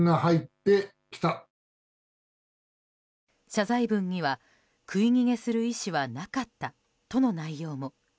謝罪文には食い逃げする意思はなかったとの内容も。